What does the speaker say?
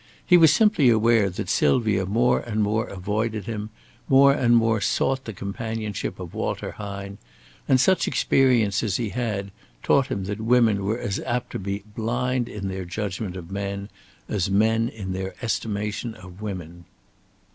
He was simply aware that Sylvia more and more avoided him, more and more sought the companionship of Walter Hine; and such experience as he had, taught him that women were as apt to be blind in their judgment of men as men in their estimation of women.